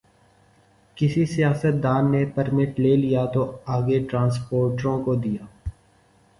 کسی سیاستدان نے پرمٹ لے لیا تو آگے ٹرانسپورٹروں کو دیا۔